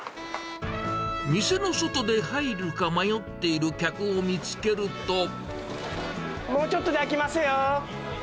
店の外で入るか迷っている客もうちょっとで空きますよ。